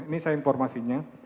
ini saya informasinya